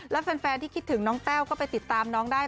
และแฟนที่คิดถึงน้องแต้วก็ไปติดตามน้องได้